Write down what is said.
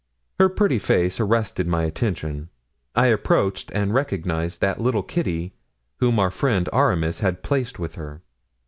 Her pretty face arrested my attention; I approached and recognized that little Kitty whom our friend Aramis had placed with her.